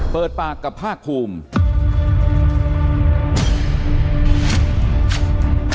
เปิดปากกับภาคภูมิ